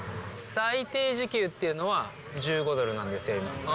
最低時給っていうのは、１５ドルなんですよ、今。